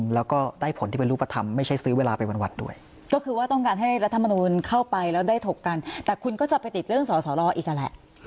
แล้วเหมาะคงสอร้ออีกกันแหละ